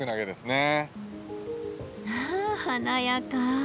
わあ華やか。